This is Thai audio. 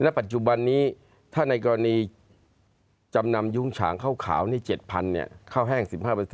ปัจจุบันนี้ถ้าในกรณีจำนำยุ้งฉางข้าวขาวนี่๗๐๐ข้าวแห้ง๑๕